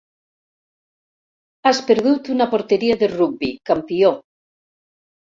Has perdut una porteria de rugbi, campió.